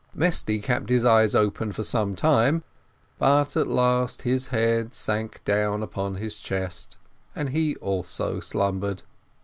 Mesty kept his eyes open for some time, but at last his head sank down upon his chest, and he also slumbered.